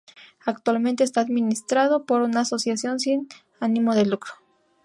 Actualmente está administrado por una asociación sin ánimo de lucro.